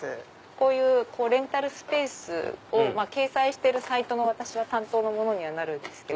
こういうレンタルスペースを掲載してるサイトの私は担当の者なんです。